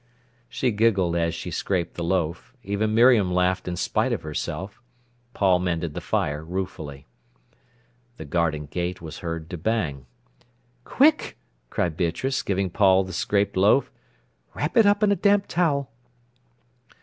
She giggled as she scraped the loaf. Even Miriam laughed in spite of herself. Paul mended the fire ruefully. The garden gate was heard to bang. "Quick!" cried Beatrice, giving Paul the scraped loaf. "Wrap it up in a damp towel."